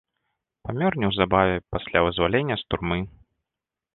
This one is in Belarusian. Памёр неўзабаве пасля вызвалення з турмы.